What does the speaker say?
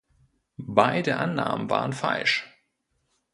Beide Annahmen waren falsch.